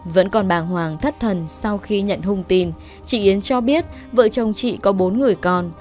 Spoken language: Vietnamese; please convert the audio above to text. vẫn còn bàng hoàng thất thần sau khi nhận hung tin chị yến cho biết vợ chồng chị có bốn người con